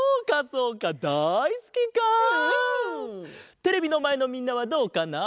テレビのまえのみんなはどうかなあ？